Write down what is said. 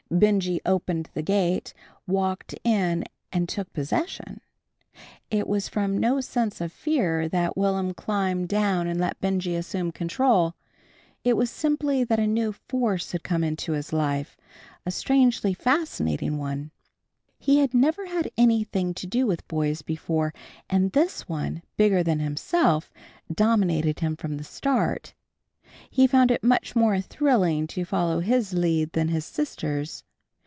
Benjy opened the gate, walked in and took possession. It was from no sense of fear that Will'm climbed down and let Benjy assume control. It was simply that a new force had come into his life, a strangely fascinating one. He had never had anything to do with boys before, and this one, bigger than himself, dominated him from the start. He found it much more thrilling to follow his lead than his sister's.